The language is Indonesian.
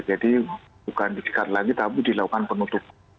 jadi bukan ditikat lagi tapi dilakukan penutup